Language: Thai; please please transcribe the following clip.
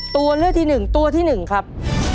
ตัวเลือกที่หนึ่งตัวที่หนึ่งครับ